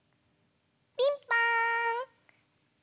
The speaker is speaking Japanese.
ピンポーン！